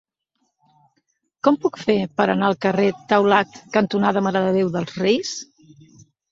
Com ho puc fer per anar al carrer Taulat cantonada Mare de Déu dels Reis?